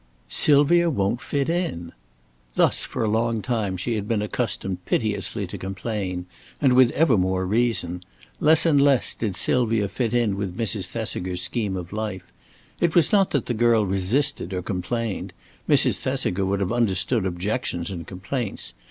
"Sylvia won't fit in." Thus for a long time she had been accustomed piteously to complain; and with ever more reason. Less and less did Sylvia fit in with Mrs. Thesiger's scheme of life. It was not that the girl resisted or complained. Mrs. Thesiger would have understood objections and complaints.